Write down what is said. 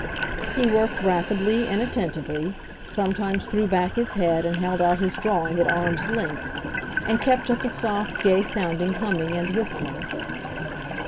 He worked rapidly and attentively, sometimes threw back his head and held out his drawing at arm's length, and kept up a soft, gay sounding humming and whistling.